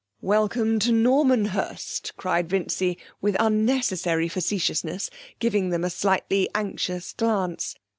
'Welcome to Normanhurst!' cried Vincy, with unnecessary facetiousness, giving them a slightly anxious glance.